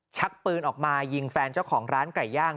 ชักปืนออกมายิงแฟนเจ้าของร้านไก่ย่าง